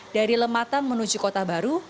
dari lematang menuju kota baru